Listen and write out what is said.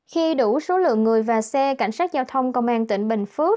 khi đủ số lượng người và xe cảnh sát giao thông công an tỉnh bình phước